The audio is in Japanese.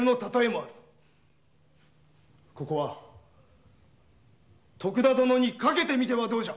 ここは徳田殿に賭てはどうじゃ？